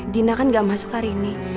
dina kan gak masuk hari ini